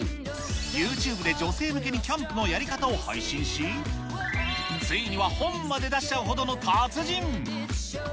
ユーチューブで女性向けにキャンプのやり方を配信し、遂には本まで出しちゃうほどの達人。